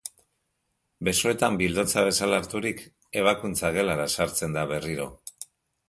Besoetan bildotsa bezala harturik, ebakuntza-gelara sartzen da berriro.